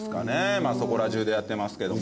まあそこら中でやってますけども。